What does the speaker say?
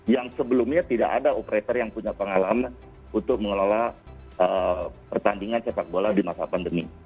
yang sebelumnya tidak ada operator yang punya pengalaman untuk mengelola pertandingan sepak bola di masa pandemi